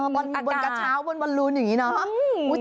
บนกระเช้าบนบอลลูนอย่างนี้เนาะ